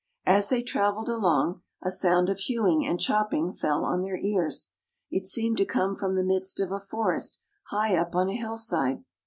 As they traveled along a sound of hewing and chopping fell on their ears. It seemed to come from the midst of a forest high up on a hillside.